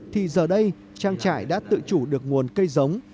thì giờ đây trang trải đã tự chủ được nguồn cây giống